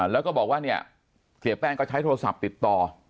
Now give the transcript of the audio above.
แล้วก็บอกว่าเนี่ยเสียแป้งก็ใช้โทรศัพท์ติดต่อ